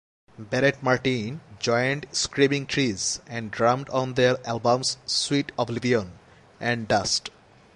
Barrett Martin joined Screaming Trees and drummed on their albums "Sweet Oblivion" and "Dust".